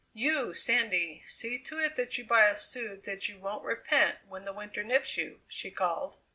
"You, Sandy, see to it that you buy a suit that you won't repent when the winter nips you!" she called.